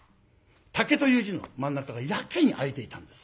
「竹」という字の真ん中がやけに空いていたんです。